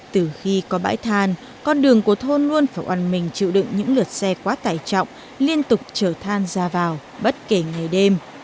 từ khi có bãi than con đường của thôn luôn phải oàn mình chịu đựng những lượt xe quá tải trọng liên tục chở than ra vào bất kể ngày đêm